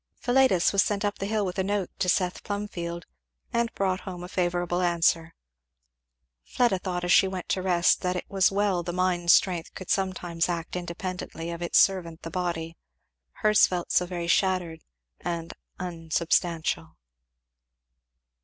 Philetus was sent up the hill with a note to Seth Plumfield, and brought home a favorable answer. Fleda thought as she went to rest that it was well the mind's strength could sometimes act independently of its servant the body, hers felt so very shattered and unsubstantial.